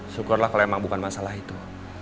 syukurlah kalau emang bukan masalah itu